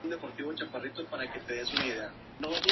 Por curiosidad se acercaron y decidieron entrar.